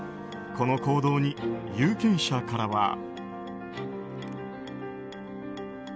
この行動に有権者からは。